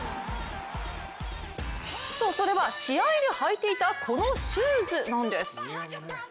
そう、それは試合で履いていたこのシューズなんです。